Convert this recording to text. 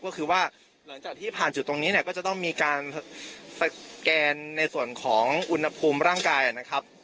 ก็คือว่าหลังจากที่ผ่านจุดตรงนี้เนี่ยก็จะต้องมีการสแกนในส่วนของอุณหภูมิร่างกายนะครับ